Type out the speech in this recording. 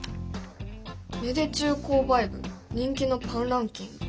「芽出中購買部人気のパンランキング」？